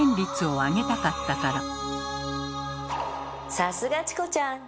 さすがチコちゃん！